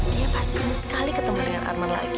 dia pasti ingin sekali ketemu dengan arman lagi